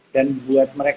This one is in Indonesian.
dan buat mereka